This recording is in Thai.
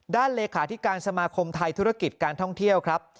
เลขาธิการสมาคมไทยธุรกิจการท่องเที่ยวครับ